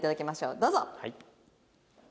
どうぞ。